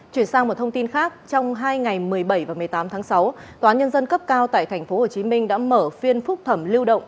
chuyển sang một thông tin khác trong hai ngày một mươi bảy và một mươi tám tháng sáu tnc cao tại tp hcm đã mở phiên phúc thẩm lưu động